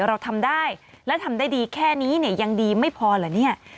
เราทำได้และทำได้ดีแค่นี้เนี่ยยังดีไม่พอเหรอเนี่ย